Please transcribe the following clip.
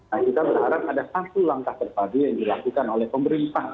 nah kita berharap ada satu langkah terpadu yang dilakukan oleh pemerintah